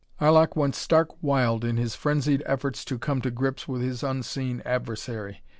Arlok went stark wild in his frenzied efforts to come to grips with his unseen adversary.